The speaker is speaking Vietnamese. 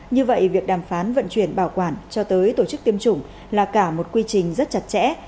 như vậy việc đàm phán vận chuyển bảo quản cho tới tổ chức tiêm chủng là cả một quy trình rất chặt chẽ